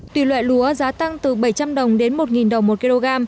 tùy loại lúa giá tăng từ bảy trăm linh đồng đến một đồng một kg